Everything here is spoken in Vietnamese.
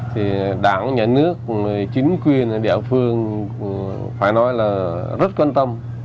thì đảng nhà nước chính quyền địa phương phải nói là rất quan tâm